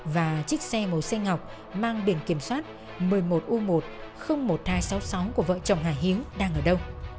và chiếc xe màu xanh ngọc mang biển kiểm soát một mươi một u một một nghìn hai trăm sáu mươi sáu của vợ chồng hà hiếu đang ở đâu